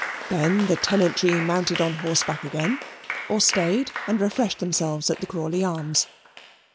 Then the tenantry mounted on horseback again, or stayed and refreshed themselves at the Crawley Arms.